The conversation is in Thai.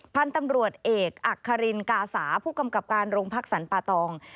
พันธุ์ตำรวจเอกอักษรินกาสาผู้กำกับการโรงพักสรรป่าตอง